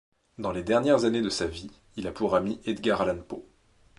Dans les dernières années de sa vie, il a pour ami Edgar Allan Poe.